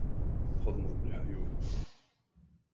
Txedmeḍ mliḥ a Yuba.